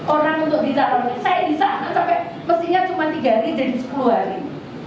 orang untuk bicara saya di sana sampai mestinya cuma tiga hari jadi sepuluh hari